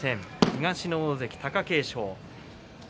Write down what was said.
東の大関貴景勝。